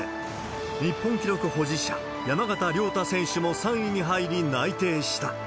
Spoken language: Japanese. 日本記録保持者、山縣亮太選手も３位に入り、内定した。